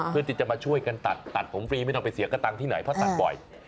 เพื่อที่จะมาช่วยกันตัดตัดผมฟรีไม่ต้องไปเสียกระตังค์ที่ไหนเพราะตัดบ่อย